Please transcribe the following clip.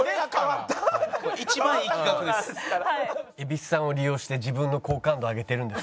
蛭子さんを利用して自分の好感度を上げてるんです。